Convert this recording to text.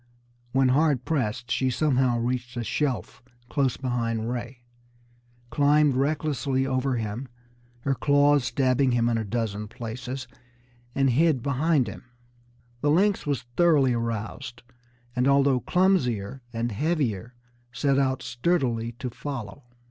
When hard pressed, she somehow reached a shelf close beside Ray, climbed recklessly over him, her claws stabbing him in a dozen places, and hid behind him. The lynx was thoroughly aroused, and although clumsier and heavier, set out sturdily to follow.